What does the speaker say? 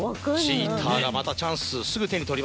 ちーたーがまたチャンスすぐ手に取りました。